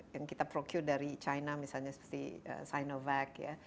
yang kita procure dari china misalnya seperti sinovac ya